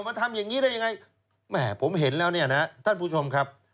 มันทำอย่างนี้ได้ยังไงแหมผมเห็นแล้วเนี่ยนะท่านผู้ชมครับ